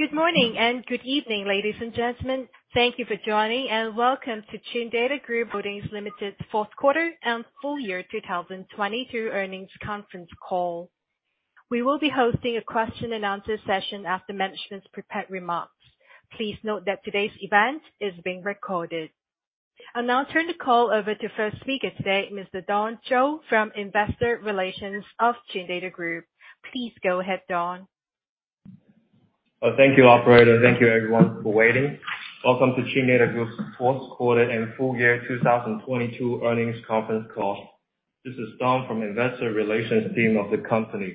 Good morning and good evening, ladies and gentlemen. Thank you for joining, and welcome to Chindata Group Holdings Limited's fourth quarter and full year 2022 earnings conference call. We will be hosting a question and answer session after management's prepared remarks. Please note that today's event is being recorded. I'll now turn the call over to first speaker today, Mr. Dongning Wang from Investor Relations of Chindata Group. Please go ahead, Don. Thank you, operator. Thank you everyone for waiting. Welcome to Chindata Group's fourth quarter and full year 2022 earnings conference call. This is Don from Investor Relations team of the company.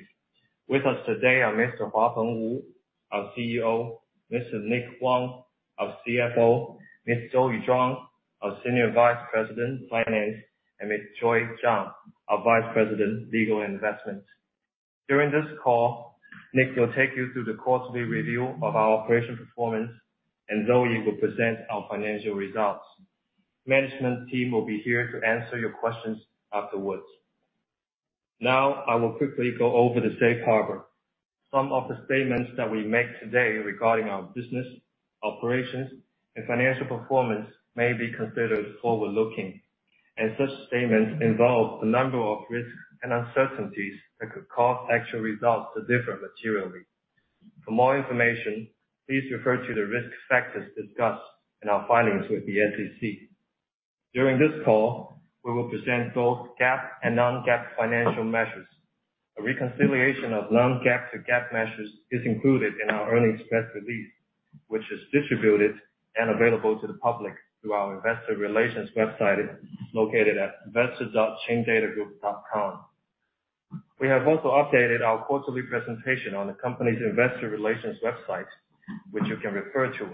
With us today are Mr. Wu Huapeng, our CEO, Mr. Nick Huang, our CFO, Ms. Zoe Zhang, our Senior Vice President, Finance, and Ms. Joy Zhang, our Vice President, Legal and Investment. During this call, Nick will take you through the quarterly review of our operation performance, and Zoe will present our financial results. Management team will be here to answer your questions afterwards. I will quickly go over the safe harbor. Some of the statements that we make today regarding our business, operations, and financial performance may be considered forward-looking, and such statements involve a number of risks and uncertainties that could cause actual results to differ materially. For more information, please refer to the risk factors discussed in our filings with the SEC. During this call, we will present both GAAP and non-GAAP financial measures. A reconciliation of non-GAAP to GAAP measures is included in our earnings press release, which is distributed and available to the public through our investor relations website located at investor.chindatagroup.com. We have also updated our quarterly presentation on the company's investor relations website, which you can refer to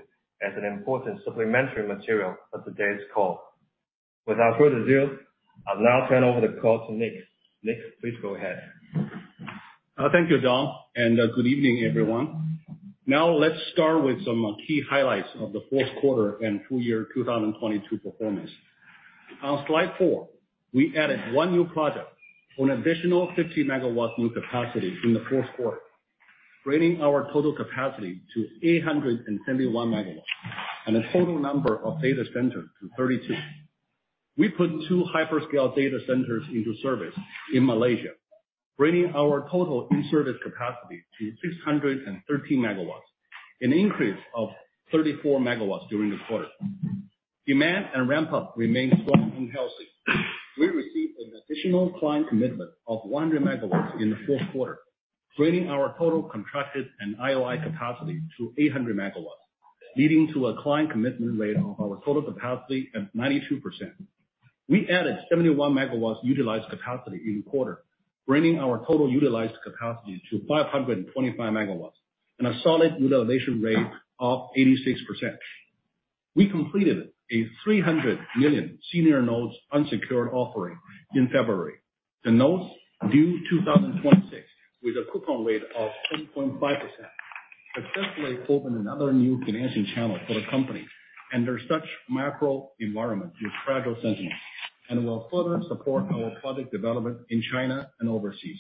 as an important supplementary material of today's call. Without further ado, I'll now turn over the call to Nick. Nick, please go ahead. Thank you, Don, good evening, everyone. Now let's start with some key highlights of the fourth quarter and full year 2022 performance. On Slide 4, we added one new project on additional 50 megawatts new capacity in the fourth quarter, bringing our total capacity to 871 megawatts, and a total number of data centers to 32. We put two hyperscale data centers into service in Malaysia, bringing our total in-service capacity to 613 megawatts, an increase of 34 megawatts during the quarter. Demand and ramp up remain strong and healthy. We received an additional client commitment of 100 megawatts in the fourth quarter, bringing our total contracted and IOI capacity to 800 megawatts, leading to a client commitment rate of our total capacity at 92%. We added 71 megawatts utilized capacity in the quarter, bringing our total utilized capacity to 525 megawatts and a solid utilization rate of 86%. We completed a $300 million senior notes unsecured offering in February. The notes due 2026, with a coupon rate of 10.5%, successfully opened another new financing channel for the company under such macro environment with fragile sentiment and will further support our project development in China and overseas.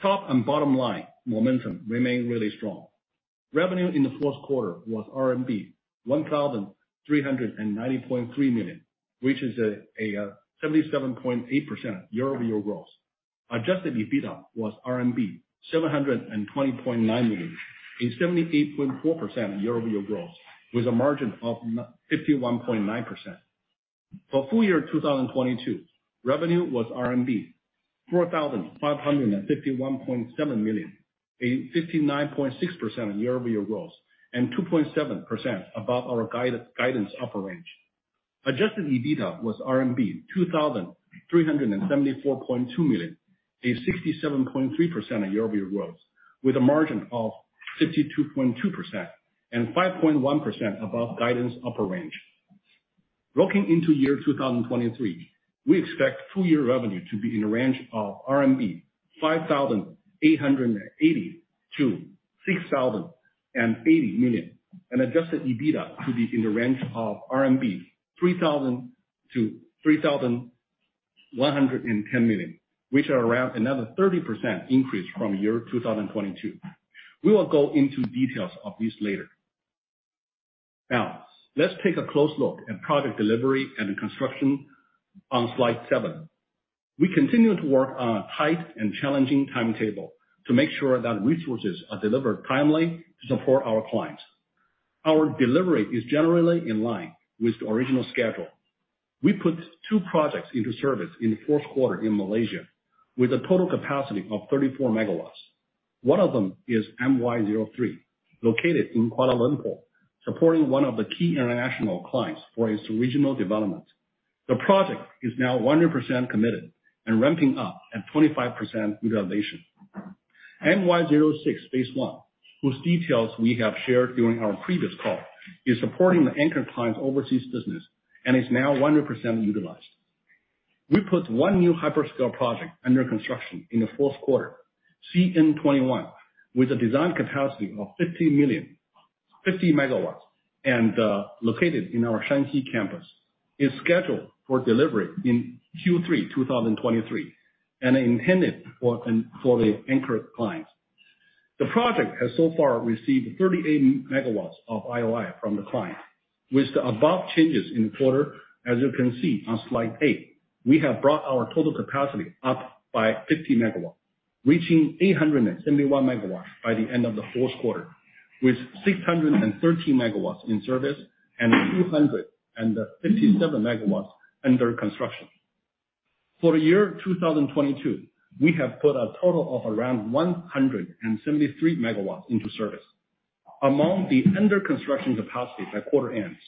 Top and bottom line momentum remain really strong. Revenue in the fourth quarter was RMB 1,390.3 million, which is 77.8% year-over-year growth. Adjusted EBITDA was RMB 720.9 million, a 78.4% year-over-year growth with a margin of 51.9%. For full year 2022, revenue was RMB 4,551.7 million, a 59.6% year-over-year growth and 2.7% above our guidance upper range. Adjusted EBITDA was RMB 2,374.2 million, a 67.3% year-over-year growth with a margin of 52.2% and 5.1% above guidance upper range. Looking into year 2023, we expect full year revenue to be in a range of 5,880 million-6,080 million RMB, and adjusted EBITDA to be in the range of 3,000 million-3,110 million RMB, which are around another 30% increase from year 2022. We will go into details of this later. Let's take a close look at project delivery and construction on slide 7. We continue to work on tight and challenging timetable to make sure that resources are delivered timely to support our clients. Our delivery is generally in line with the original schedule. We put 2 projects into service in the fourth quarter in Malaysia with a total capacity of 34 megawatts. One of them is MY03, located in Kuala Lumpur, supporting one of the key international clients for its regional development. The project is now 100% committed and ramping up at 25% utilization. NY06 phase one, whose details we have shared during our previous call, is supporting the anchor client's overseas business and is now 100% utilized. We put one new hyperscale project under construction in the fourth quarter, CN-21, with a design capacity of 50 megawatts and located in our Shanxi campus, is scheduled for delivery in Q3 2023, and intended for the anchor clients. The project has so far received 38 megawatts of IOI from the client. With the above changes in the quarter, as you can see on slide 8, we have brought our total capacity up by 50 megawatts, reaching 871 megawatts by the end of the fourth quarter, with 630 megawatts in service and 257 megawatts under construction. For the year 2022, we have put a total of around 173 megawatts into service. Among the under-construction capacity by quarter ends,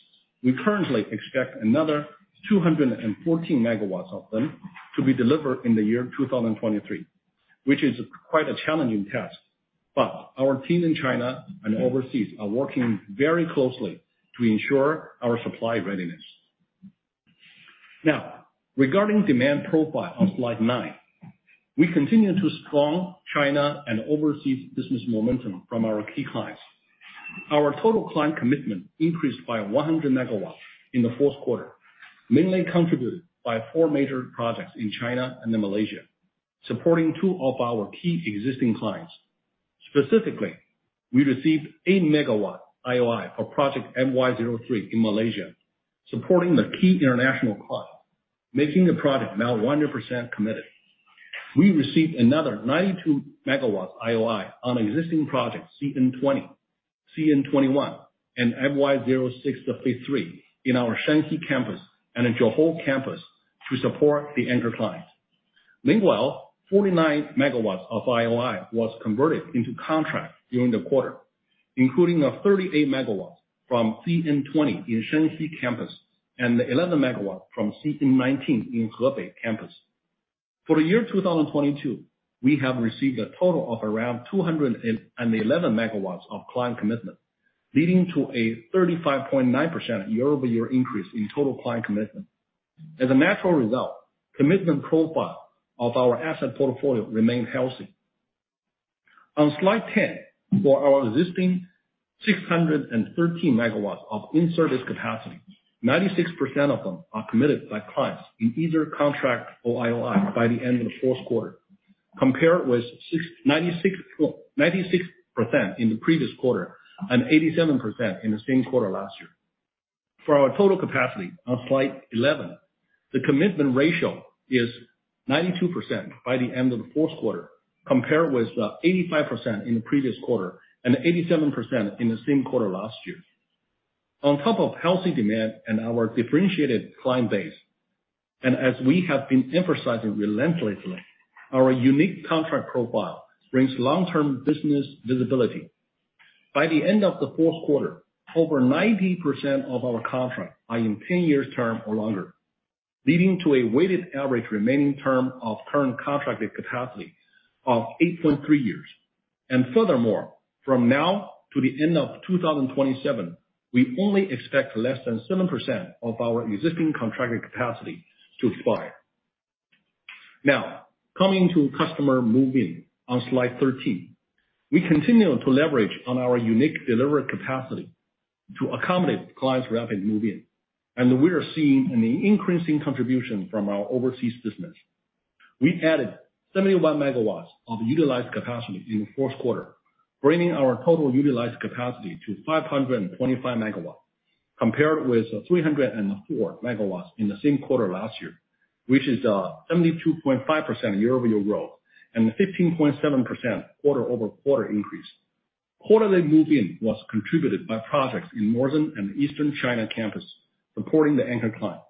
we currently expect another 214 megawatts of them to be delivered in 2023, which is quite a challenging task. Our team in China and overseas are working very closely to ensure our supply readiness. Regarding demand profile on slide 9, we continue to strong China and overseas business momentum from our key clients. Our total client commitment increased by 100 megawatts in the fourth quarter, mainly contributed by 4 major projects in China and in Malaysia, supporting two of our key existing clients. Specifically, we received 8 megawatt IOI for project NY06 in Malaysia, supporting the key international client, making the project now 100% committed. We received another 92 megawatts IOI on existing projects CN20, CN21, and MY06 phase three in our Shanxi campus and in Zhuhai campus to support the anchor clients. Meanwhile, 49 megawatts of IOI was converted into contract during the quarter, including a 38 megawatts from CN20 in Shanxi campus and 11 megawatts from CN19 in Hebei campus. For the year 2022, we have received a total of around 211 megawatts of client commitment, leading to a 35.9% year-over-year increase in total client commitment. As a natural result, commitment profile of our asset portfolio remain healthy. On slide 10, for our existing 613 megawatts of in-service capacity, 96% of them are committed by clients in either contract or IOI by the end of the fourth quarter, compared with 96% in the previous quarter and 87% in the same quarter last year. For our total capacity on slide 11, the commitment ratio is 92% by the end of the fourth quarter, compared with 85% in the previous quarter and 87% in the same quarter last year. On top of healthy demand and our differentiated client base, and as we have been emphasizing relentlessly, our unique contract profile brings long-term business visibility. By the end of the fourth quarter, over 90% of our contract are in 10 years term or longer, leading to a weighted average remaining term of current contracted capacity of 8.3 years. Furthermore, from now to the end of 2027, we only expect less than 7% of our existing contracted capacity to expire. Now, coming to customer move-in on slide 13. We continue to leverage on our unique delivery capacity to accommodate clients' rapid move-in, and we are seeing an increasing contribution from our overseas business. We added 71 MW of utilized capacity in the fourth quarter, bringing our total utilized capacity to 525 MW, compared with 304 MW in the same quarter last year, which is 72.5% year-over-year growth and a 15.7% quarter-over-quarter increase. Quarterly move-in was contributed by projects in Northern and Eastern China campus, supporting the anchor client,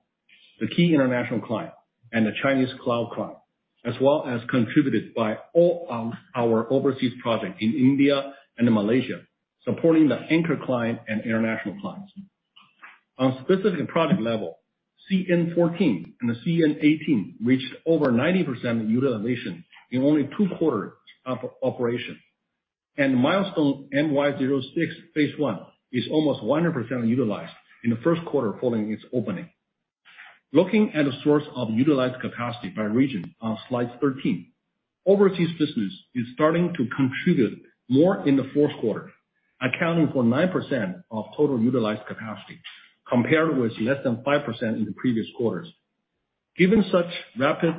the key international client, and the Chinese cloud client, as well as contributed by all our overseas project in India and in Malaysia, supporting the anchor client and international clients. On specific project level, CN14 and the CN18 reached over 90% utilization in only 2 quarters of operation. Milestone MY06 phase one is almost 100% utilized in the 1st quarter following its opening. Looking at the source of utilized capacity by region on slide 13, overseas business is starting to contribute more in the 4th quarter, accounting for 9% of total utilized capacity, compared with less than 5% in the previous quarters. Given such rapid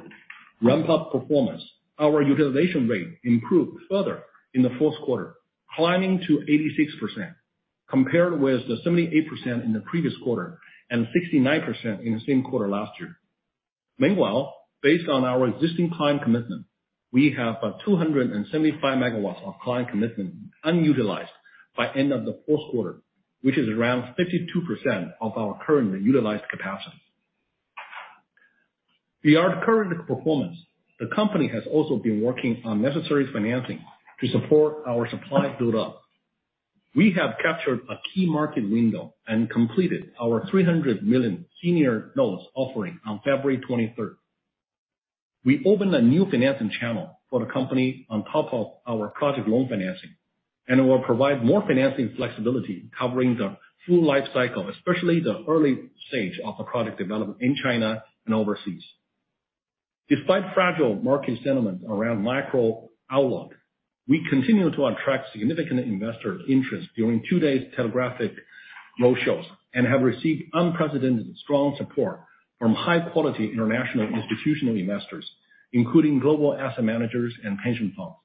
ramp-up performance, our utilization rate improved further in the fourth quarter, climbing to 86%, compared with the 78% in the previous quarter and 69% in the same quarter last year. Based on our existing client commitment, we have 275 megawatts of client commitment unutilized by end of the fourth quarter, which is around 52% of our currently utilized capacity. Beyond current performance, the company has also been working on necessary financing to support our supply build-up. We have captured a key market window and completed our $300 million senior notes offering on February 23rd. We opened a new financing channel for the company on top of our project loan financing and will provide more financing flexibility, covering the full life cycle, especially the early stage of the product development in China and overseas. Despite fragile market sentiment around macro outlook, we continue to attract significant investor interest during two days telegraphic roadshows, and have received unprecedented strong support from high-quality international institutional investors, including global asset managers and pension funds.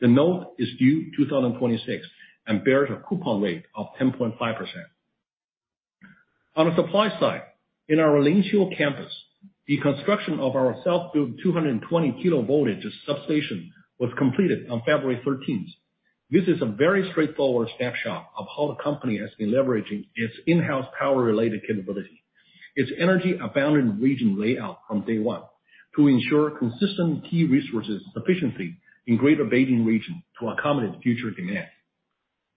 The note is due 2026 and bears a coupon rate of 10.5%. On the supply side, in our Lingqiu campus, the construction of our self-built 220 kilovoltage substation was completed on February 13th. This is a very straightforward snapshot of how the company has been leveraging its in-house power-related capability. Its energy-abundant region layout from day one to ensure consistent key resources sufficiency in Greater Beijing region to accommodate future demand.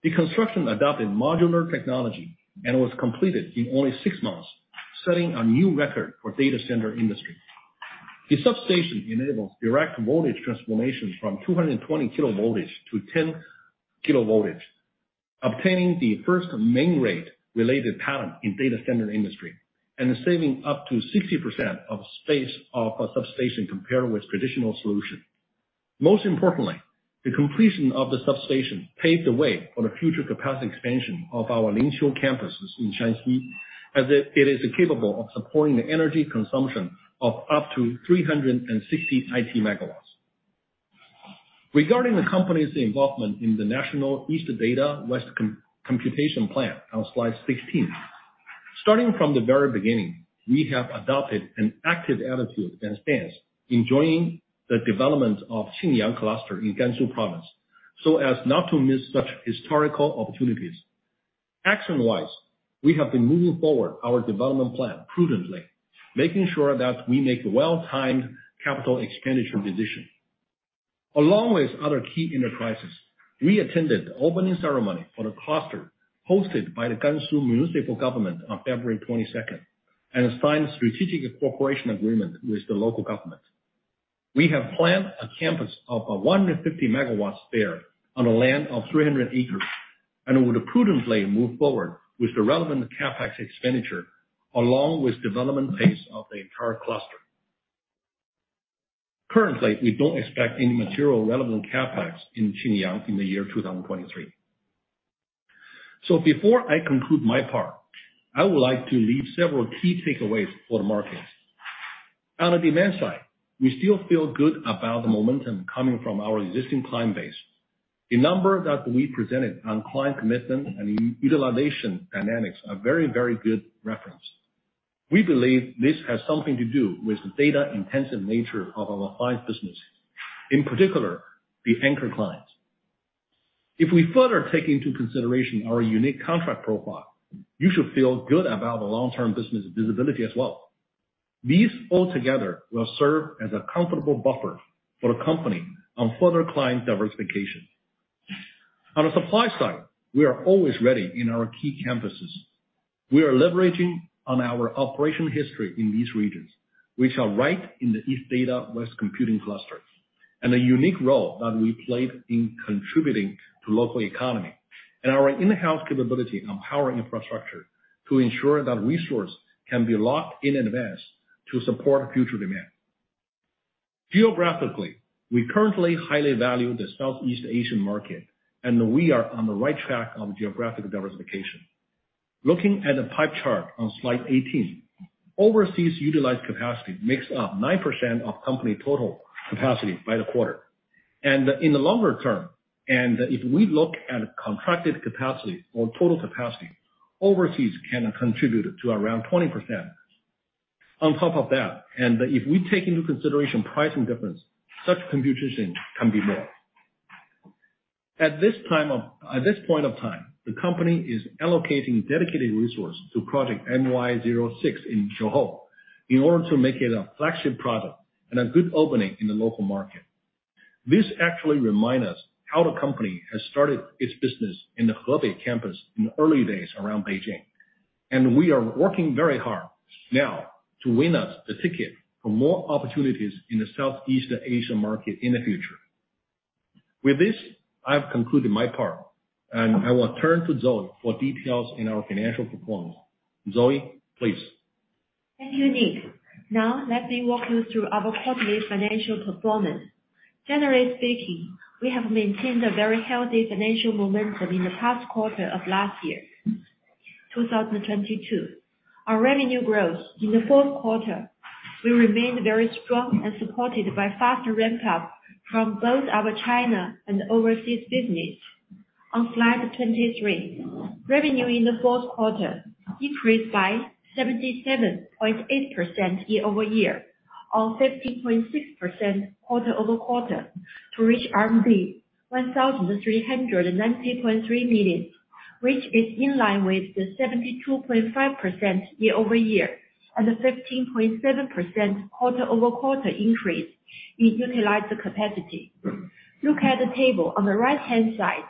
The construction adopted modular technology and was completed in only 6 months, setting a new record for data center industry. The substation enables direct voltage transformation from 220 kilovoltage to 10 kilovoltage, obtaining the first main rate-related talent in data center industry, and saving up to 60% of space of a substation compared with traditional solution. Most importantly, the completion of the substation paved the way for the future capacity expansion of our Lingqiu campuses in Shanxi, as it is capable of supporting the energy consumption of up to 360 IT megawatts. Regarding the company's involvement in the national Eastern Data, Western Computing plan on slide 16. Starting from the very beginning, we have adopted an active attitude and stance in joining the development of Qingyang cluster in Gansu Province, so as not to miss such historical opportunities. Action-wise, we have been moving forward our development plan prudently, making sure that we make well-timed capital expenditure decisions. Along with other key enterprises, we attended the opening ceremony for the cluster hosted by the Gansu Provincial Government on February 22nd, and signed a strategic cooperation agreement with the local government. We have planned a campus of 150 megawatts there on a land of 300 acres, and would prudently move forward with the relevant CapEx expenditure along with development pace of the entire cluster. Currently, we don't expect any material relevant CapEx in Qingyang in the year 2023. Before I conclude my part, I would like to leave several key takeaways for the market. On the demand side, we still feel good about the momentum coming from our existing client base. The number that we presented on client commitment and utilization dynamics are very, very good reference. We believe this has something to do with the data-intensive nature of our five businesses. In particular, the anchor clients. If we further take into consideration our unique contract profile, you should feel good about the long-term business visibility as well. These all together will serve as a comfortable buffer for the company on further client diversification. On the supply side, we are always ready in our key campuses. We are leveraging on our operational history in these regions, which are right in the Eastern Data, Western Computing cluster, the unique role that we played in contributing to local economy, and our in-house capability on power infrastructure to ensure that resource can be locked in advance to support future demand. Geographically, we currently highly value the Southeast Asian market, we are on the right track on geographic diversification. Looking at the pie chart on slide 18, overseas utilized capacity makes up 9% of company total capacity by the quarter. In the longer term, if we look at contracted capacity or total capacity, overseas can contribute to around 20%. On top of that, if we take into consideration pricing difference, such contribution can be more. At this point of time, the company is allocating dedicated resource to project NY06 in Johor in order to make it a flagship product and a good opening in the local market. This actually remind us how the company has started its business in the Hebei campus in the early days around Beijing. We are working very hard now to win us the ticket for more opportunities in the Southeast Asia market in the future. With this, I've concluded my part, and I will turn to Zoe for details in our financial performance. Zoe, please. Thank you, Nick. Let me walk you through our quarterly financial performance. Generally speaking, we have maintained a very healthy financial momentum in the past quarter of last year, 2022. Our revenue growth in the fourth quarter will remain very strong and supported by faster ramp-up from both our China and overseas business. On slide 23, revenue in the fourth quarter decreased by 77.8% year-over-year, or 15.6% quarter-over-quarter to reach RMB 1,390.3 million, which is in line with the 72.5% year-over-year, and a 15.7% quarter-over-quarter increase in utilized capacity. Look at the table on the right-hand side.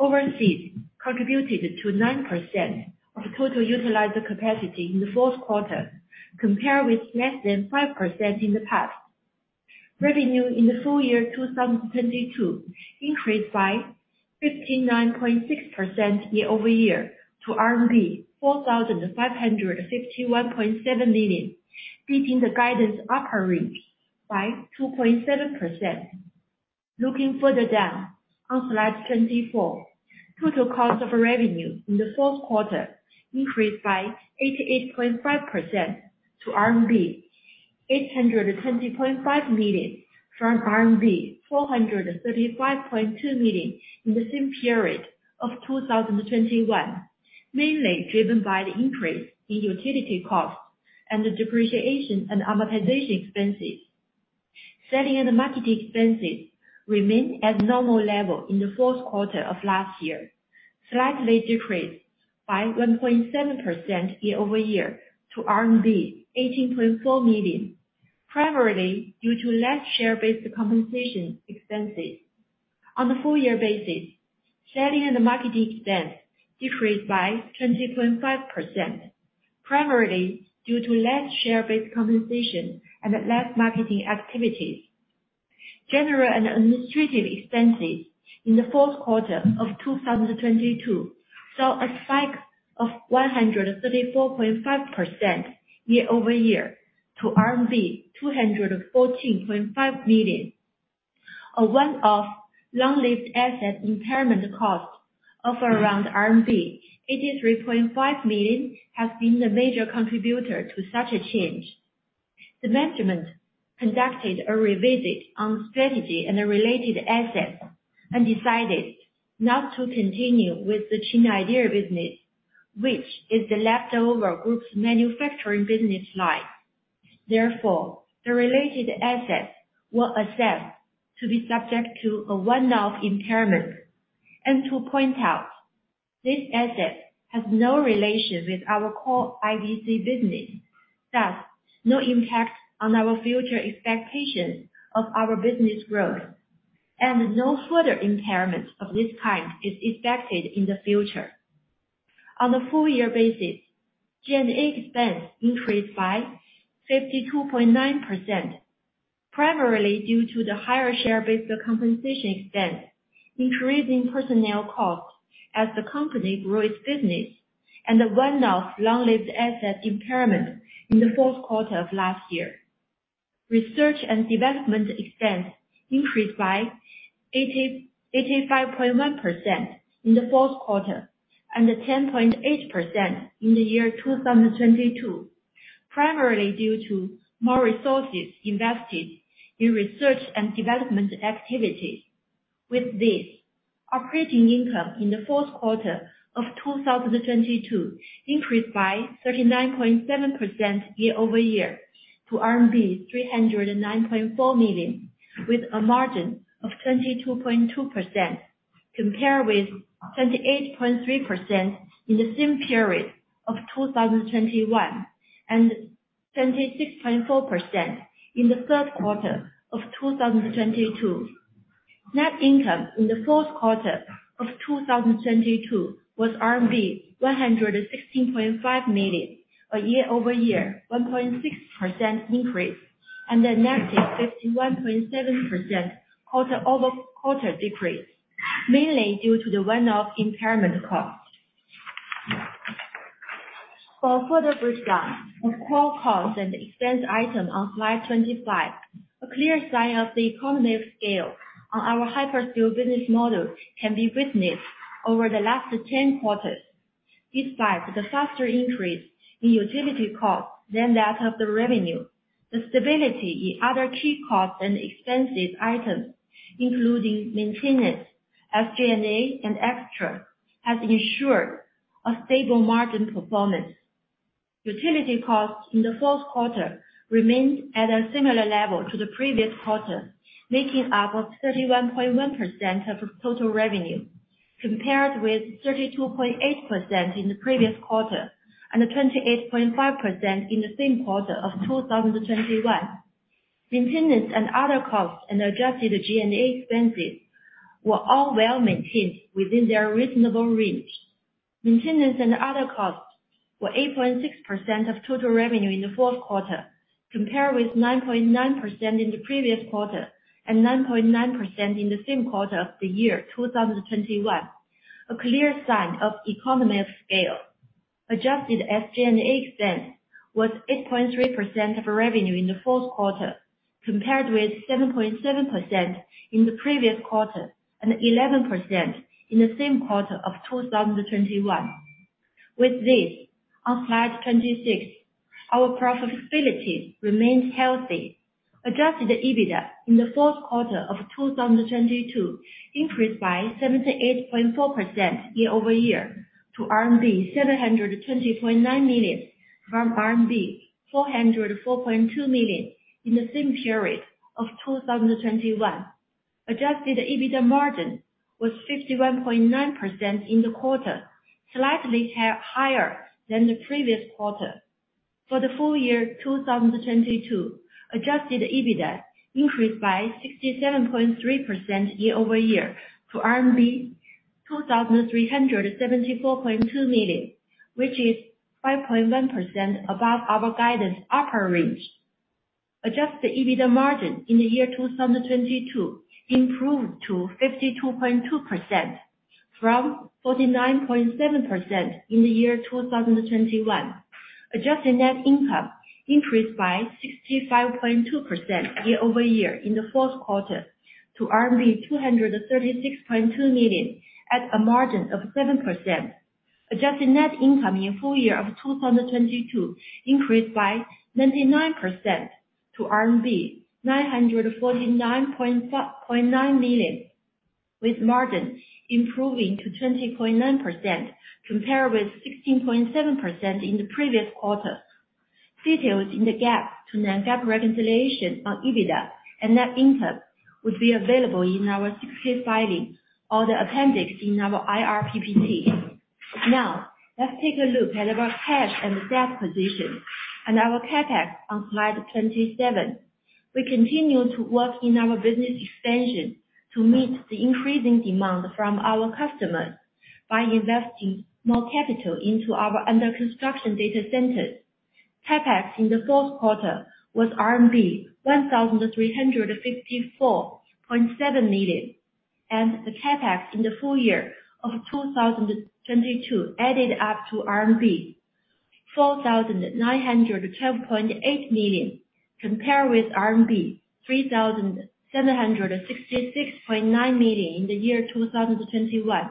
Overseas contributed to 9% of total utilized capacity in the fourth quarter, compared with less than 5% in the past. Revenue in the full year 2022 increased by 59.6% year-over-year to RMB 4,551.7 million, beating the guidance upper rate by 2.7%. Looking further down on slide 24. Total cost of revenue in the fourth quarter increased by 88.5% to 820.5 million RMB, from RMB 435.2 million in the same period of 2021. Mainly driven by the increase in utility costs and the depreciation and amortization expenses. Selling and marketing expenses remain at normal level in the fourth quarter of last year, slightly decreased by 1.7% year-over-year to RMB 18.4 million. Primarily due to less share-based compensation expenses. On a full year basis, selling and marketing expense decreased by 20.5%. Primarily due to less share-based compensation and less marketing activities. General and administrative expenses in the fourth quarter of 2022 saw a spike of 134.5% year-over-year to RMB 214.5 million. A one-off long-lived asset impairment cost of around 83.5 million RMB has been the major contributor to such a change. The management conducted a revisit on strategy and related assets and decided not to continue with the Chinidea business, which is the leftover group's manufacturing business line. The related assets were assessed to be subject to a one-off impairment. To point out, this asset has no relation with our core IDC business, thus, no impact on our future expectations of our business growth, and no further impairment of this kind is expected in the future. On a full year basis, G&A expense increased by 52.9%, primarily due to the higher share-based compensation expense, increase in personnel costs as the company grew its business, and the one-off long-lived asset impairment in the fourth quarter of last year. Research and development expense increased by 85.1% in the fourth quarter and 10.8% in 2022. Primarily due to more resources invested in research and development activities. With this, operating income in the fourth quarter of 2022 increased by 39.7% year-over-year to RMB 309.4 million, with a margin of 22.2%, compared with 28.3% in the same period of 2021, and 26.4% in the third quarter of 2022. Net income in the fourth quarter of 2022 was RMB 116.5 million, a year-over-year 1.6% increase, and a nasty 51.7% quarter-over-quarter decrease, mainly due to the one-off impairment cost. For a further breakdown of core costs and expense item on slide 25. A clear sign of the economies of scale on our hyperscale business model can be witnessed over the last 10 quarters. Despite the faster increase in utility costs than that of the revenue, the stability in other key costs and expenses items including maintenance, SG&A, and extra, has ensured a stable margin performance. Utility costs in the fourth quarter remained at a similar level to the previous quarter, making up of 31.1% of total revenue, compared with 32.8% in the previous quarter and 28.5% in the same quarter of 2021. Maintenance and other costs and adjusted G&A expenses were all well-maintained within their reasonable range. Maintenance and other costs were 8.6% of total revenue in the fourth quarter, compared with 9.9% in the previous quarter and 9.9% in the same quarter of 2021. A clear sign of economies of scale. Adjusted SG&A expense was 8.3% of revenue in the fourth quarter, compared with 7.7% in the previous quarter and 11% in the same quarter of 2021. With this, on slide 26, our profitability remained healthy. Adjusted EBITDA in the fourth quarter of 2022 increased by 78.4% year-over-year to RMB 720.9 million, from RMB 404.2 million in the same period of 2021. Adjusted EBITDA margin was 61.9% in the quarter, slightly higher than the previous quarter. For the full year 2022, adjusted EBITDA increased by 67.3% year-over-year to RMB 2,374.2 million, which is 5.1% above our guidance upper range. Adjusted EBITDA margin in the year 2022 improved to 52.2% from 49.7% in the year 2021. Adjusted net income increased by 65.2% year-over-year in the fourth quarter to RMB 236.2 million, at a margin of 7%. Adjusted net income in full year of 2022 increased by 99% to RMB 949.9 million, with margin improving to 20.9% compared with 16.7% in the previous quarter. Details in the GAAP to non-GAAP reconciliation on EBITDA and net income will be available in our filing or the appendix in our IR PPT. Let's take a look at our cash and debt position and our CapEx on slide 27. We continue to work in our business expansion to meet the increasing demand from our customers by investing more capital into our under-construction data centers. CapEx in the fourth quarter was RMB 1,354.7 million. The CapEx in the full year of 2022 added up to RMB 4,912.8 million, compared with RMB 3,766.9 million in the year 2021.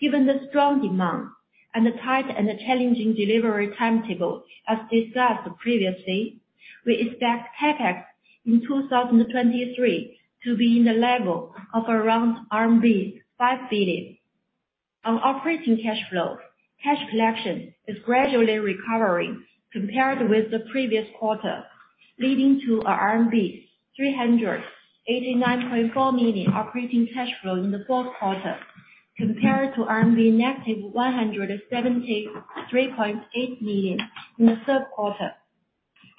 Given the strong demand and the tight and the challenging delivery timetable, as discussed previously, we expect CapEx in 2023 to be in the level of around RMB 5 billion. On operating cash flow, cash collection is gradually recovering compared with the previous quarter, leading to a RMB 389.4 million operating cash flow in the fourth quarter compared to CNY negative 173.8 million in the third quarter.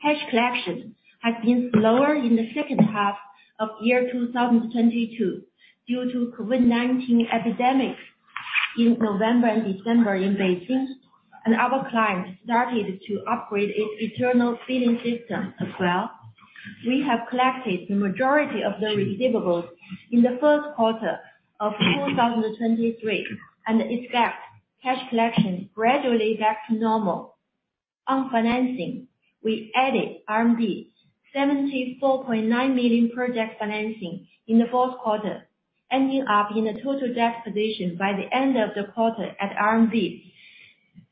Cash collection has been slower in the second half of 2022 due to COVID-19 epidemics in November and December in Beijing, and our clients started to upgrade its internal billing system as well. We have collected the majority of the receivables in the first quarter of 2023, and expect cash collection gradually back to normal. On financing, we added 74.9 million project financing in the fourth quarter, ending up in a total debt position by the end of the quarter at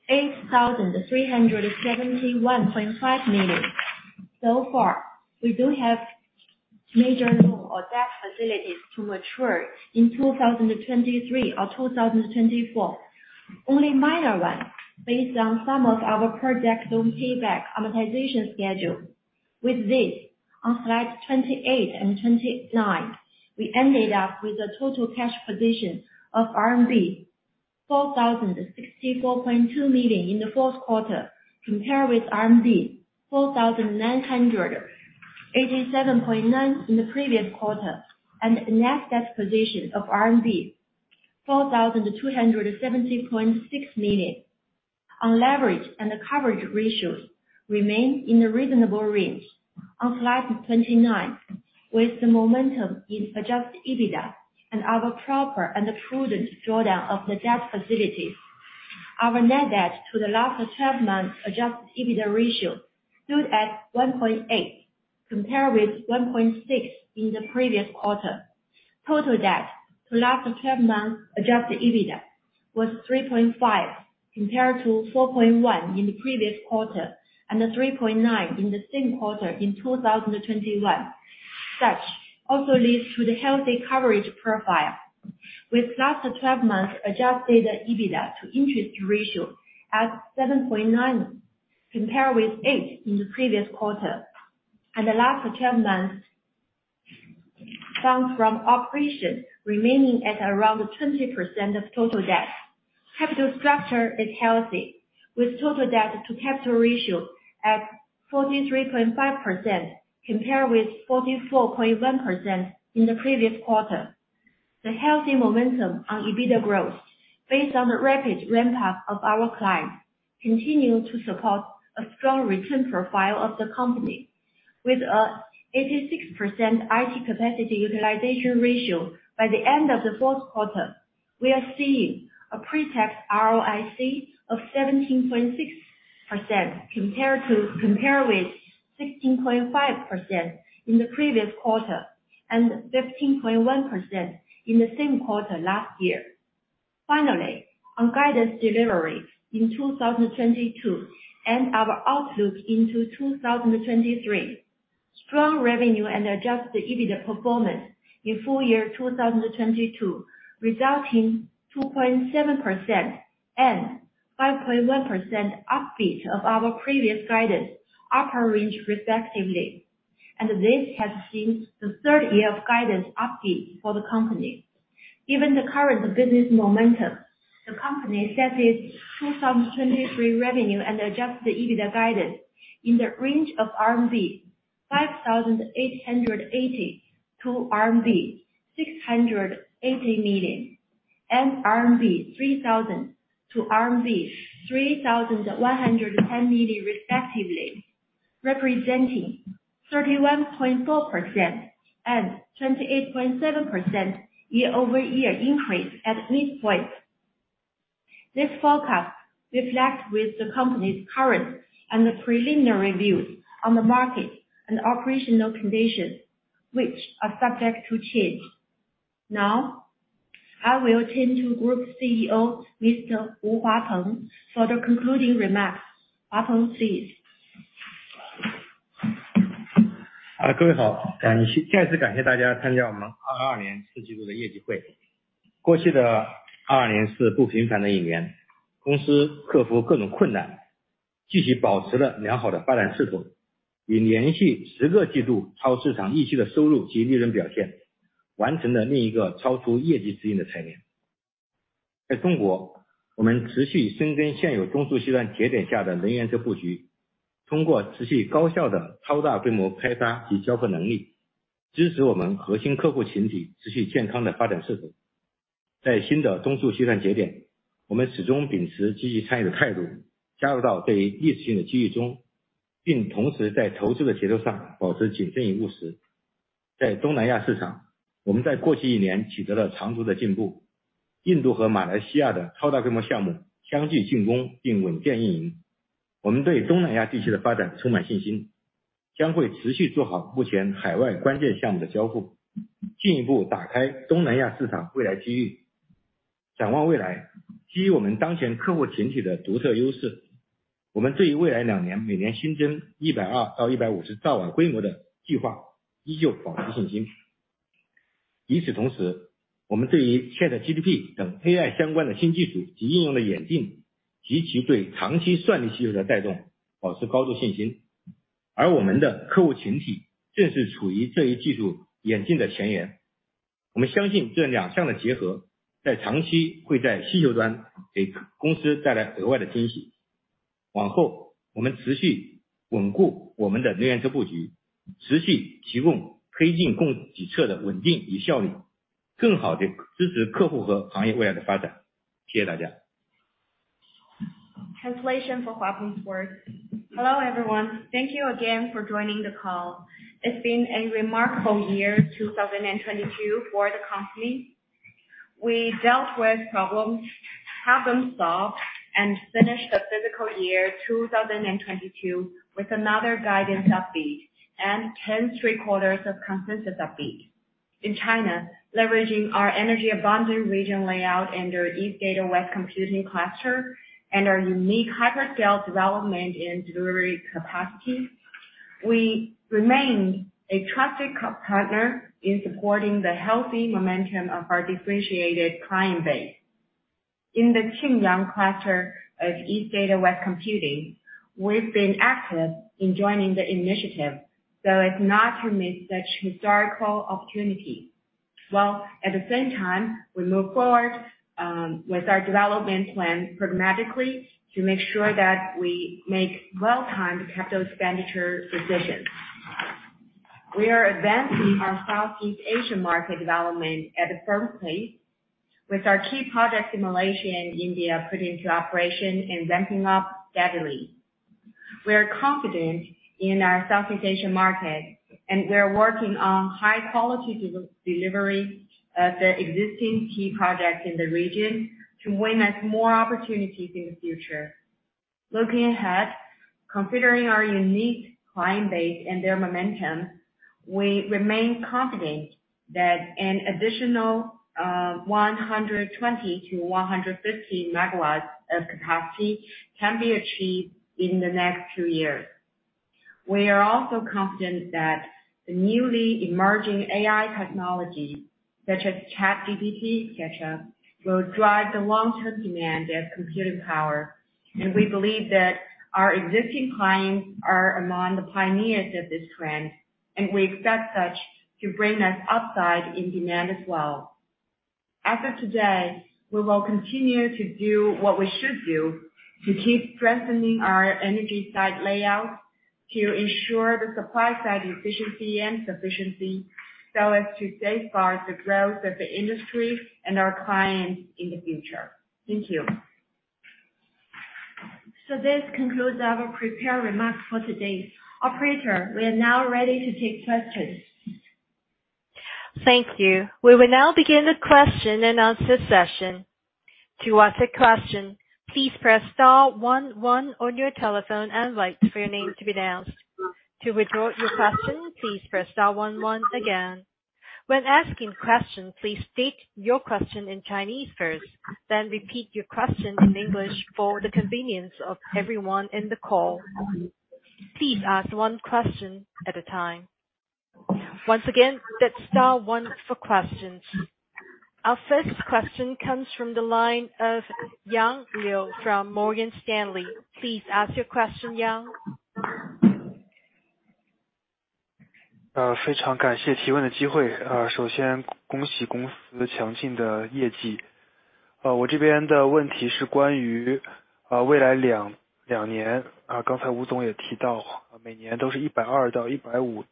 8,371.5 million. So far, we don't have major loan or debt facilities to mature in 2023 or 2024. Only minor ones based on some of our projects loan payback amortization schedule. With this, on slide 28 and 29, we ended up with a total cash position of RMB 4,064.2 million in the fourth quarter, compared with RMB 4,987.9 in the previous quarter, and a net debt position of RMB 4,270.6 million. Our leverage and coverage ratios remain in a reasonable range. On slide 29, with the momentum in adjusted EBITDA and our proper and prudent drawdown of the debt facilities, our net debt to the last twelve months adjusted EBITDA ratio stood at 1.8, compared with 1.6 in the previous quarter. Total debt to last twelve months adjusted EBITDA was 3.5, compared to 4.1 in the previous quarter and a 3.9 in the same quarter in 2021. Such also leads to the healthy coverage profile with last twelve months adjusted EBITDA to interest ratio at 7.9, compared with 8 in the previous quarter. The last twelve months funds from operations remaining at around 20% of total debt. Capital structure is healthy, with total debt to capital ratio at 43.5%, compared with 44.1% in the previous quarter. The healthy momentum on EBITDA growth based on the rapid ramp-up of our clients continue to support a strong return profile of the company with a 86% IT capacity utilization ratio by the end of the fourth quarter. We are seeing a pre-tax ROIC of 17.6% compared with 16.5% in the previous quarter and 15.1% in the same quarter last year. Finally, on guidance delivery in 2022 and our outlook into 2023. Strong revenue and adjusted EBITDA performance in full year 2022, resulting 2.7% and 5.1% upbeat of our previous guidance upper range, respectively. This has seen the third year of guidance upbeat for the company. Given the current business momentum, the company set its 2023 revenue and adjusted EBITDA guidance in the range of 5,880-680 million RMB, and 3,000-3,110 million RMB respectively, representing 31.4% and 28.7% year-over-year increase at midpoint. This forecast reflects with the company's current and the preliminary views on the market and operational conditions, which are subject to change. Now, I will attend to Group CEO, Mr. Wu Huapeng for the concluding remarks. Huapeng, please. Translation for Huapeng's words. Hello, everyone. Thank you again for joining the call. It's been a remarkable year, 2022, for the company. We dealt with problems, have them solved, and finished the fiscal year 2022 with another guidance upbeat and 10 3/4 of consensus upbeat. In China, leveraging our energy abundant region layout under Eastern Data, Western Computing cluster and our unique hyperscale development and delivery capacity, we remain a trusted c-partner in supporting the healthy momentum of our differentiated client base. In the Qingyang cluster of Eastern Data, Western Computing, we've been active in joining the initiative, so as not to miss such historical opportunity. While at the same time, we move forward with our development plan pragmatically to make sure that we make well-timed capital expenditure decisions. We are advancing our Southeast Asian market development at a firm place with our key project simulation India put into operation and ramping up steadily. We're confident in our Southeast Asian market, and we're working on high quality delivery of the existing key projects in the region to win us more opportunities in the future. Looking ahead, considering our unique client base and their momentum, we remain confident that an additional 120-150 megawatts of capacity can be achieved in the next 2 years. We are also confident that the newly emerging AI technology, such as ChatGPT, et cetera, will drive the long-term demand of computing power. We believe that our existing clients are among the pioneers of this trend, and we expect such to bring us upside in demand as well. As of today, we will continue to do what we should do to keep strengthening our energy site layout, to ensure the supply side efficiency and sufficiency so as to safeguard the growth of the industry and our clients in the future. Thank you. This concludes our prepared remarks for today. Operator, we are now ready to take questions. Thank you. We will now begin the question and answer session. To ask a question, please press star 11 on your telephone and wait for your name to be announced. To withdraw your question, please press star 11 again. When asking questions, please state your question in Chinese first, then repeat your question in English for the convenience of everyone in the call. Please ask 1 question at a time. Once again, that's star 1 for questions. Our first question comes from the line of Yang Liu from Morgan Stanley. Please ask your question, Yang. 非常感谢提问的机会。首先恭喜公司的强劲的业绩。我这边的问题是关于未来2年。刚才吴总也提到每年都是120到 150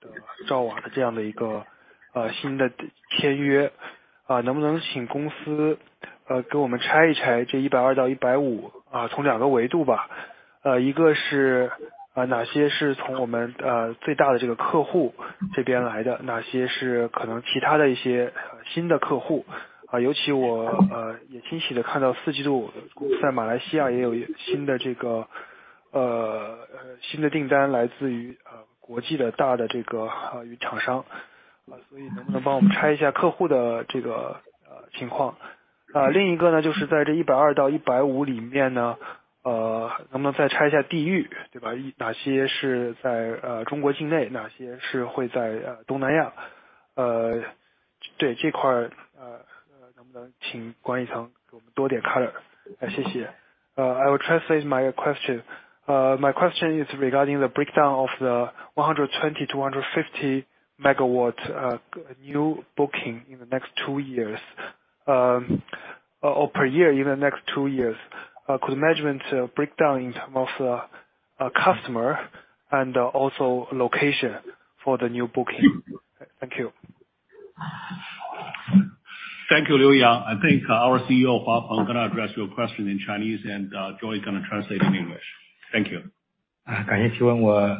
兆瓦的这样的一个新的签约。能不能请公司给我们拆一拆这 120到 150。从 2 个维度吧，一个是哪些是从我们最大的这个客户这边来的，哪些是可能其他的一些新的客户，尤其我 也惊喜地看到 Q4 在 Malaysia 也有新的这个新的订单来自于国际的大的这个厂商，所以能不能帮我们拆一下客户的这个情况。另一个呢，就是在这 120到150里 面呢，能不能再拆一下地域，对吧？哪些是在中国境内，哪些是会在东南亚，对这块儿，能不能请管一程给我们多点 color。谢谢。I will translate my question. My question is regarding the breakdown of the 120 to 150 megawatt new booking in the next 2 years or per year in the next 2 years. Could management breakdown in terms of customer and also location for the new booking? Thank you. Thank you 刘洋. I think our CEO Hua Peng gonna address your question in Chinese and Joy gonna translate in English. Thank you. 感谢提问。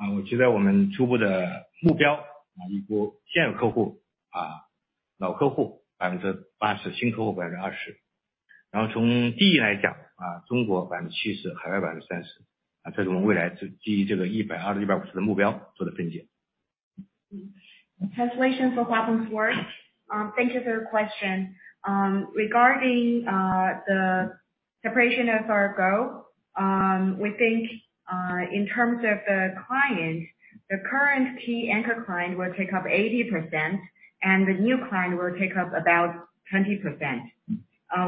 我--我们对未来的这个增 长， 我觉得我们初步的目 标， 啊依旧现有客户 啊， 老客户百分之八 十， 新客户百分之二十。然后从地域来 讲， 中国百分之七 十， 海外百分之三 十， 这是我们未来基于这个一百二到一百五十的目标做的分解。Translation for Hua Peng's words. Thank you for your question. Regarding the separation of our goal, we think in terms of the client, the current key anchor client will take up 80% and the new client will take up about 20%.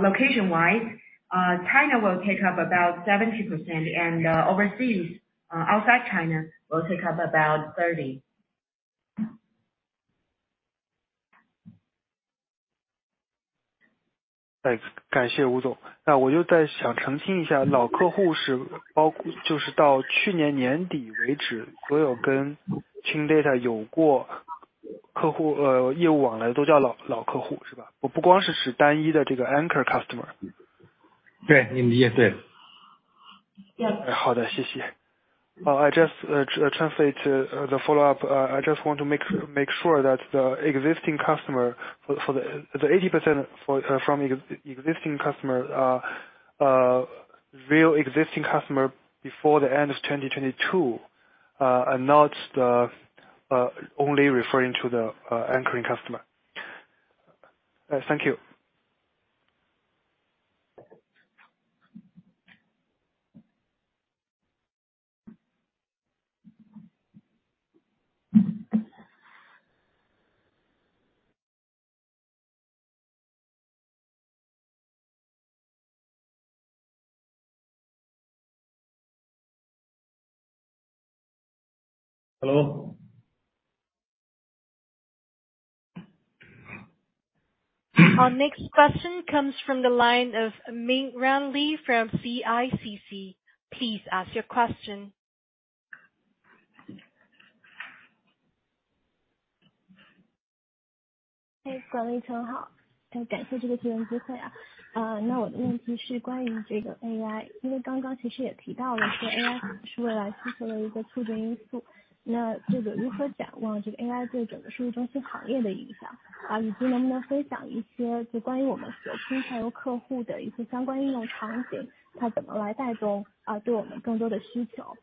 Location wise, China will take up about 70% and overseas outside China will take up about 30%. 感谢吴总。那我就再想澄清一 下， 老客户是包括就是到去年年底为 止， 所有跟清数据有过客户呃业务往来的都叫 老， 老客户是 吧？ 不光 是， 是单一的这个 anchor customer。对, 你理解对 了. Yes。好 的， 谢谢。I'll just translate the follow up. I just want to make sure that the existing customer for the 80% from ex-existing customer are real existing customer before the end of 2022. Not only referring to the anchoring customer. Thank you. Hello。Our next question comes from the line of Mingran Li from CICC. Please ask your question. 嘿管立成 好， 感谢这个提问机会。我的问题是关于这个 AI， 因为刚刚其实也提到了说 AI 是未来需求的一个促进因 素， 对你如何展望这个 AI 对整个数据中心行业的影 响， 以及能不能分享一些就关于我们所服务客户的一些相关应用场 景， 它怎么来带动对我们更多的需求。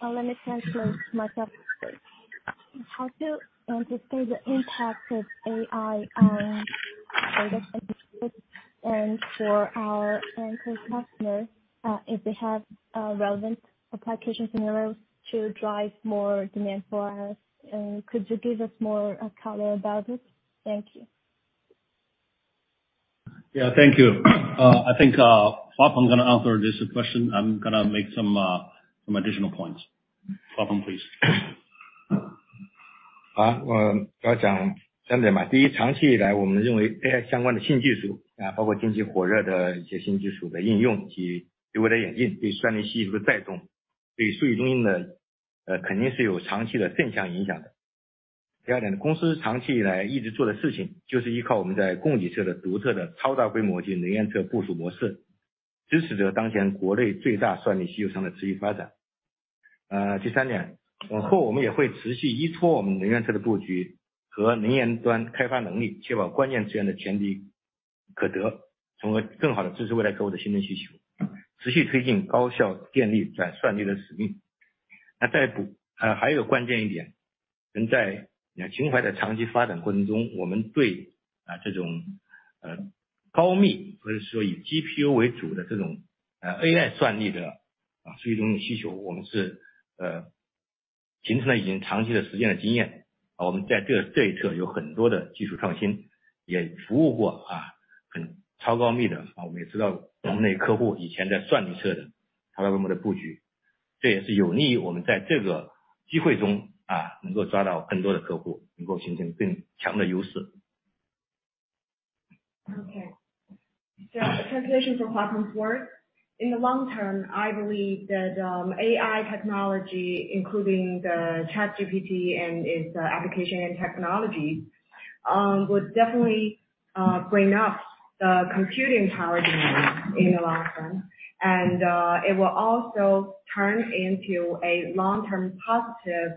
Let me translate myself first. How to anticipate the impact of AI on and for our anchor customer, if they have relevant application scenarios to drive more demand for us. Could you give us more color about it? Thank you. Yeah, thank you. I think Hua Peng gonna answer this question, I'm gonna make some additional points. Hua Peng please. 我来讲3 点。First, 长期以 来， 我们认为 AI 相关的新技 术， 包括近期火热的一些新技术的应用及未来的演 进， 对算力需求的带 动， 对数据中心的肯定是有长期的正向影响的。Second, 公司长期以来一直做的事情就是依靠我们在供给侧的独特的 hyperscale 机能源侧部署模 式， 支持着当前国内最大算力需求端的持续发展。Third, 往后我们也会持续依托我们能源侧的布局和能研端开发能 力， 确保关键资源的前提可 得， 从而更好地支持未来客户的新增需求，持续推进高效电力转算力的使命。还有关键一 点， 能在 Chindata 的长期发展过程 中， 我们对这种高密或者说以 GPU 为主的这种 AI 算力的数据中心需 求， 我们是。In the long term, I believe that AI technology, including the ChatGPT and its application and technology, would definitely bring up the computing power demand in the long term, it will also turn into a long-term positive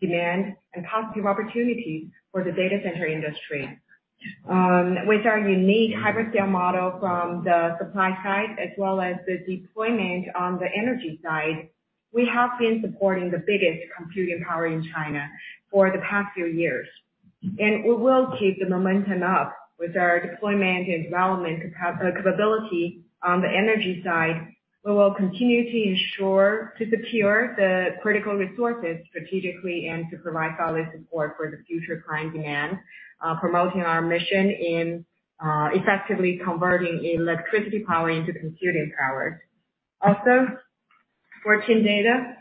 demand and positive opportunity for the data center industry. With our unique hyperscale model from the supply side as well as the deployment on the energy side, we have been supporting the biggest computing power in China for the past few years. We will keep the momentum up with our deployment and development capability on the energy side. We will continue to ensure to secure the critical resources strategically and to provide solid support for the future client demand, promoting our mission in effectively converting electricity power into computing power. For Chindata,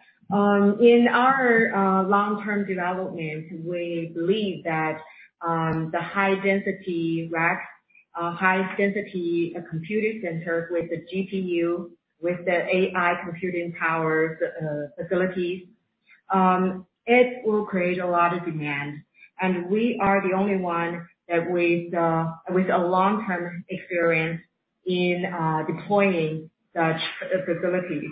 in our long-term development, we believe that the high density rack, high density computing center with the GPU, with the AI computing power, facilities, it will create a lot of demand. We are the only one that with a long-term experience in deploying such facilities.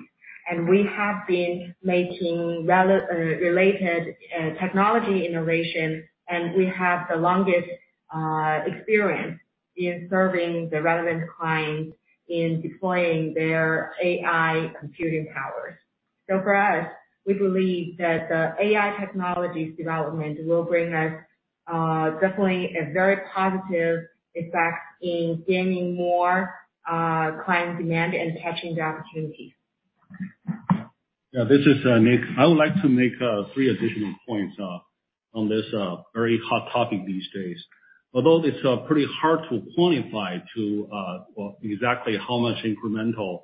We have been making related technology innovation, and we have the longest experience in serving the relevant clients in deploying their AI computing powers. For us, we believe that the AI technologies development will bring us definitely a very positive effect in gaining more client demand and catching the opportunities. Yeah, this is Nick. I would like to make 3 additional points on this very hot topic these days. Although it's pretty hard to quantify to, well, exactly how much incremental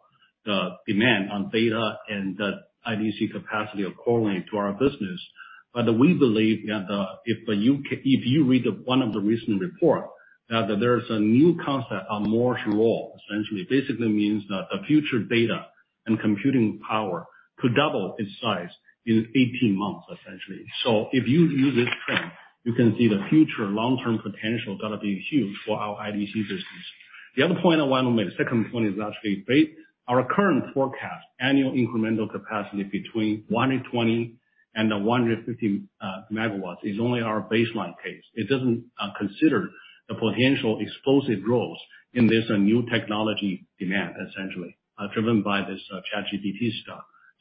demand on data and the IDC capacity are correlating to our business, we believe that if you read one of the recent report that there is a new concept on Moore's law, essentially. Basically means that the future data and computing power could double its size in 18 months, essentially. If you use this trend, you can see the future long-term potential gonna be huge for our IDC business. The other point I wanna make, the second point is actually our current forecast annual incremental capacity between 120 and 150 megawatts is only our baseline case. It doesn't consider the potential explosive growth in this new technology demand, essentially driven by this ChatGPT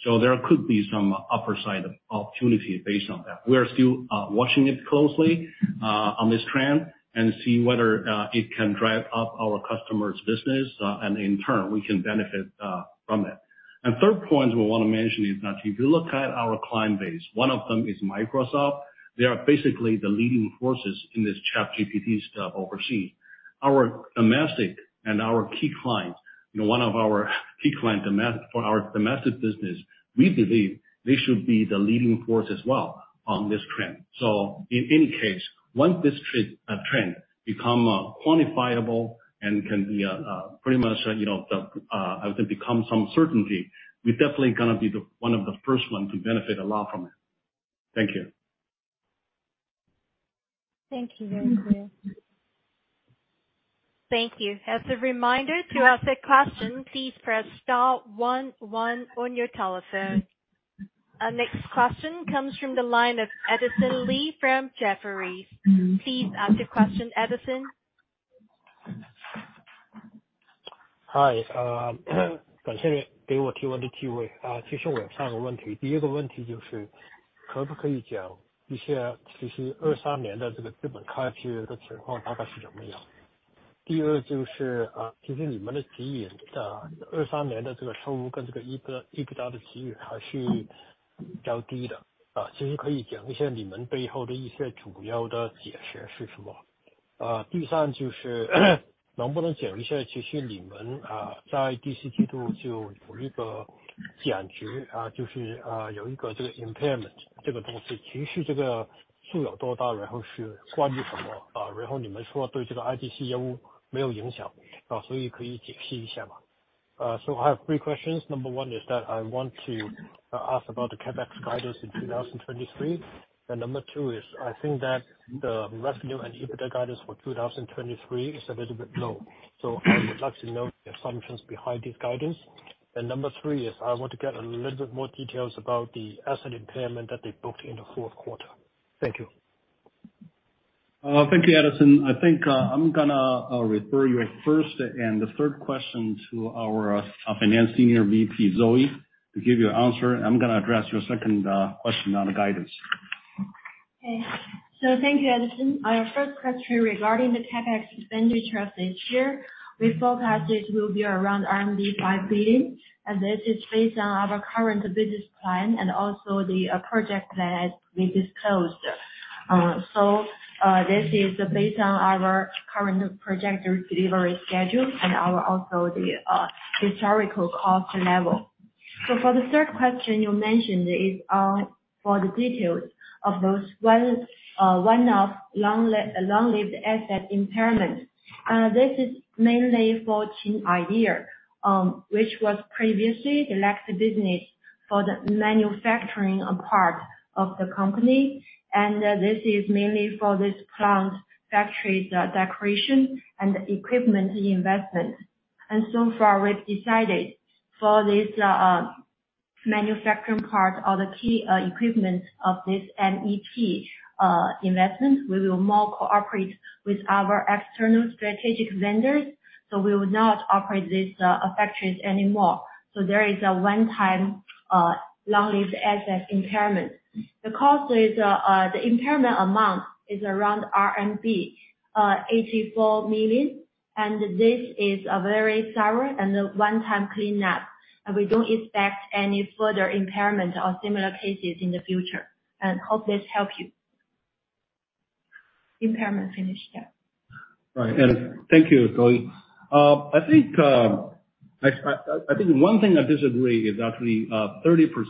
stuff. There could be some upside opportunity based on that. We are still watching it closely on this trend and see whether it can drive up our customers' business and in turn, we can benefit from that. Third point we wanna mention is that if you look at our client base, one of them is Microsoft. They are basically the leading forces in this ChatGPT stuff overseas. Our domestic and our key clients, you know, For our domestic business, we believe they should be the leading force as well on this trend. In any case, once this trend become quantifiable and can be pretty much, you know, as it become some certainty, we're definitely gonna be the one of the first ones to benefit a lot from it. Thank you. Thank you very much. Thank you. As a reminder, to ask a question, please press star 11 on your telephone. Our next question comes from the line of Edison Lee from Jefferies. Please ask your question, Edison. Hi. I have three questions. Number one is that I want to ask about the CapEx guidance in 2023. Number two is I think that the revenue and EBITDA guidance for 2023 is a little bit low. I would like to know the assumptions behind this guidance. Number three is I want to get a little bit more details about the asset impairment that they booked in the fourth quarter. Thank you. Thank you, Edison. I think, I'm gonna refer your first and the third question to our Finance Senior VP, Zoe, to give you an answer. I'm gonna address your second question on the guidance. Thank you, Allison. Our first question regarding the CapEx expenditure this year, we forecast this will be around 5 billion. This is based on our current business plan and also the project that we disclosed. This is based on our current project delivery schedule and our also the historical cost level. For the third question you mentioned is for the details of those one one-off long-lived asset impairment. This is mainly for Chinidea, which was previously the lax business for the manufacturing part of the company. This is mainly for this plant factory's decoration and equipment investment. So far, we've decided for this manufacturing part or the key equipment of this MEP investment, we will more cooperate with our external strategic vendors. We will not operate this factories anymore. There is a one-time long-lived asset impairment. The cost is, the impairment amount is around RMB 84 million, and this is a very thorough and a one-time cleanup. We don't expect any further impairment or similar cases in the future. Hope this help you. Impairment finished. Yeah. Right. Thank you, Zoe. I think one thing I disagree is actually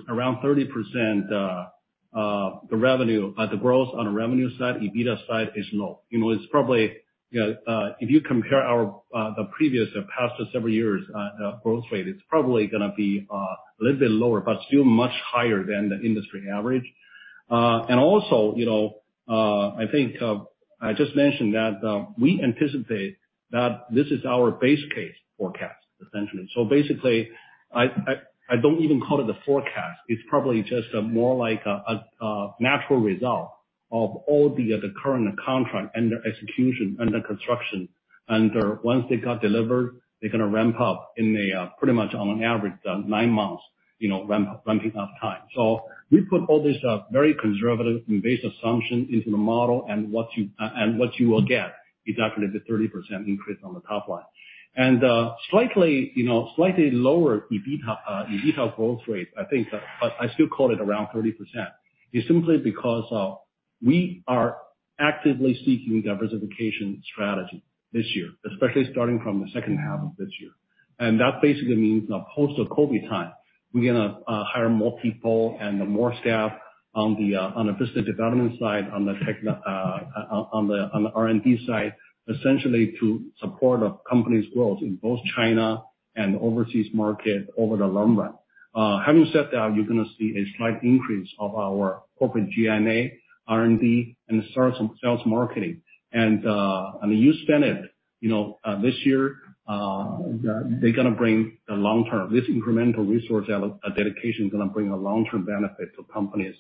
around 30% the revenue, the growth on the revenue side, EBITDA side is low. You know, it's probably, you know, if you compare our the previous, past several years, growth rate, it's probably gonna be a little bit lower, but still much higher than the industry average. You know, I think I just mentioned that we anticipate that this is our base case forecast, essentially. Basically, I don't even call it a forecast. It's probably just more like a natural result of all the current contract and the execution and the construction. Once they got delivered, they're gonna ramp up in a pretty much on average, nine months, you know, ramping up time. We put all this very conservative and base assumption into the model and what you and what you will get exactly the 30% increase on the top line. Slightly, you know, slightly lower EBITDA growth rate, I think, but I still call it around 30%, is simply because we are actively seeking diversification strategy this year, especially starting from the second half of this year. That basically means now post the COVID-19 time, we're gonna hire more people and more staff on the business development side, on the R&D side, essentially to support our company's growth in both China and overseas market over the long run. Having said that, you're gonna see a slight increase of our corporate G&A, R&D and sales marketing. And you spend it, you know, this year, they're gonna bring the long term. This incremental resource dedication is gonna bring a long-term benefit to companies,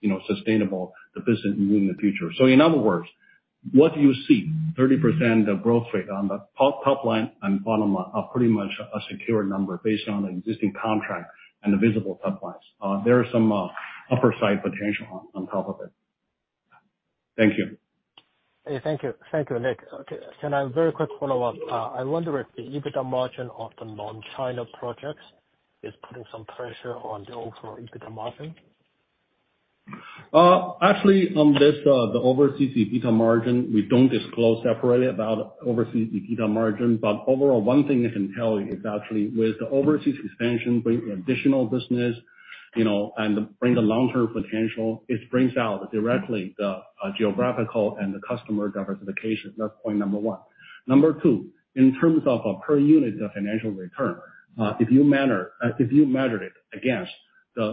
you know, sustainable the business even in the future. In other words, what you see, 30% growth rate on the top line and bottom are pretty much a secure number based on the existing contract and the visible top lines. There are some, upper side potential on top of it. Thank you. Hey, thank you. Thank you, Nick. Okay, can I have a very quick follow-up? I wonder if the EBITDA margin of the non-China projects is putting some pressure on the overall EBITDA margin. Actually, on this, the overseas EBITDA margin, we don't disclose separately about overseas EBITDA margin. Overall, one thing I can tell you is actually with the overseas expansion bring additional business, you know, and bring the long-term potential, it brings out directly the geographical and the customer diversification. That's point number one. Number two, in terms of a per unit financial return, If you measured it against the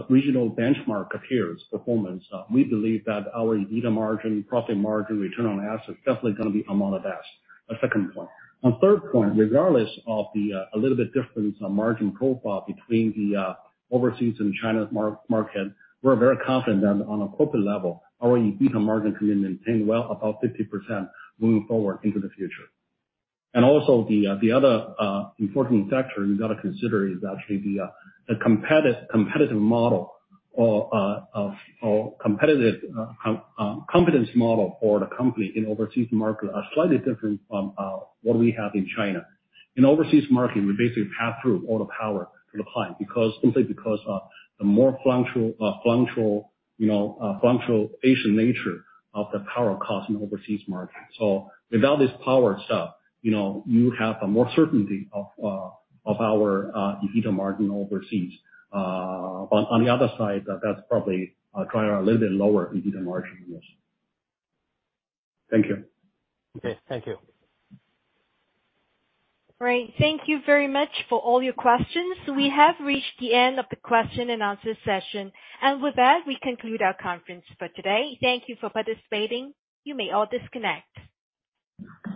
regional benchmark peers' performance, we believe that our EBITDA margin, profit margin, return on assets definitely gonna be among the best. The second point. On third point, regardless of the a little bit difference on margin profile between the overseas and China market, we're very confident that on a corporate level, our EBITDA margin can maintain well above 50% moving forward into the future. Also the other important factor you gotta consider is actually the competitive model or competitive competence model for the company in overseas market are slightly different from what we have in China. In overseas market, we basically pass through all the power to the client because, simply because of the more fluctual, you know, fluctuational nature of the power cost in overseas market. Without this power itself, you know, you have a more certainty of our EBITDA margin overseas. On the other side, that's probably drive a little bit lower EBITDA margin yes. Thank you. Okay. Thank you. Great. Thank you very much for all your questions. We have reached the end of the question and answer session. With that, we conclude our conference for today. Thank you for participating. You may all disconnect.